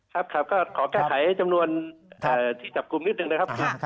ครับขอแก้ไถให้จำนวนที่จับกลุ้มนิดนึงนะครับ